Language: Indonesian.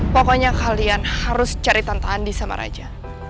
pokoknya kalian harus cari tante andi sama raja